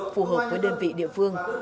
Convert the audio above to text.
phù hợp với đơn vị địa phương